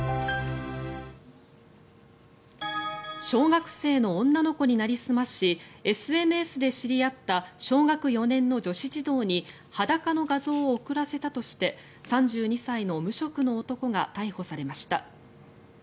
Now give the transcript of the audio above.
小学生の女の子になりすましＳＮＳで知り合った小学４年の女子児童に裸の画像を送らせたとして３２歳の無職の男が逮捕されました。